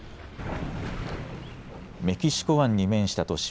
メキシコ湾に面した都市